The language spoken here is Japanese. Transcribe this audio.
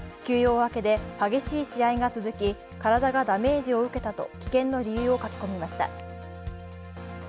「休養明けで激しい試合が続き、体がダメージを受けた」と棄権の理由を書き込みました。